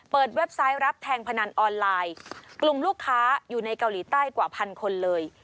เว็บไซต์รับแทงพนันออนไลน์กลุ่มลูกค้าอยู่ในเกาหลีใต้กว่าพันคนเลย